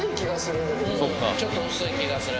うんちょっと薄い気がする。